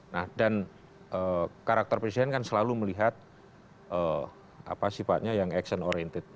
nah dan karakter presiden kan selalu melihat apa sifatnya yang action oriented